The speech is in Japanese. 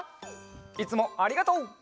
いつもありがとう！